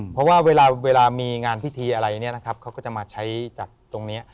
เพราะว่าเวลามีงานพิธีอะไรเขาก็จะมาใช้จากตรงนี้